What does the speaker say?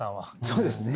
そうですね。